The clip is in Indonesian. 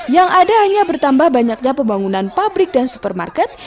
yang ada hanya bertambah banyaknya pembangunan pabrik dan supermarket